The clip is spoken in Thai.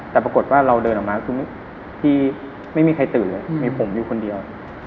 แต่ปรากฏว่าเราเดินออกมาคือที่ไม่มีใครตื่นเลยมีผมอยู่คนเดียว